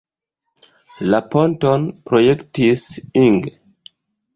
La ponton projektis Ing.